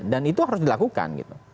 dan itu harus dilakukan